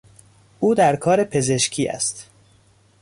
او در کار پزشکی است.